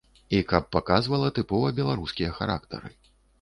І каб паказвала тыпова беларускія характары.